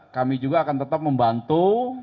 kami juga akan tetap membantu